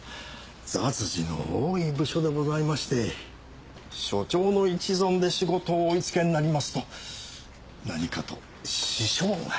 雑事の多い部署でございまして署長の一存で仕事をお言いつけになりますと何かと支障が。